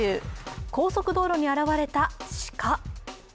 高速道路に現れた鹿。